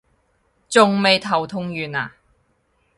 仲未頭痛完啊？